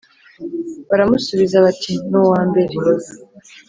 Baramusubiza bati “Ni uwa mbere.”